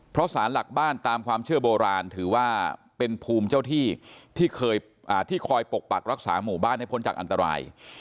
เพราะสารหลักบ้านตามความเชื่อโบราณถือว่าเป็นภูมิเจ้าที่ที่คอยปกปักรักษาหมู่บ้านให้พ้นจากอันตราย